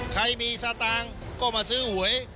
ใครมีสตางค์ก็มาซื้อหวย